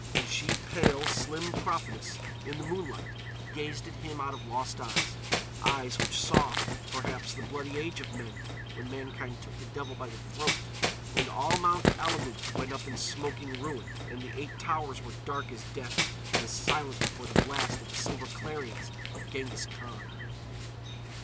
And she, pale, slim prophetess, in the moonlight, gazed at him out of lost eyes—eyes which saw, perhaps, the bloody age of men when mankind took the devil by the throat and all Mount Alamout went up in smoking ruin; and the Eight Towers were dark as death and as silent before the blast of the silver clarions of Ghenghis Khan.